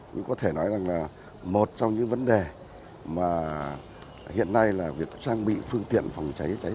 nhưng có thể nói rằng là một trong những vấn đề mà hiện nay là việc trang bị phương tiện phòng cháy cháy